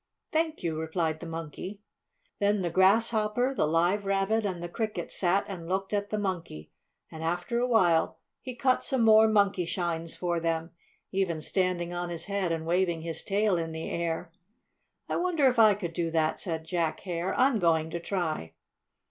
"Thank you," replied the Monkey. Then the Grasshopper, the Live Rabbit and the Cricket sat and looked at the Monkey, and, after a while, he cut some more Monkeyshines for them, even standing on his head and waving his tail in the air. "I wonder if I could do that," said Jack Hare. "I'm going to try."